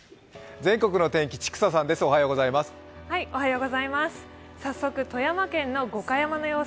全国の天気、千種さんです。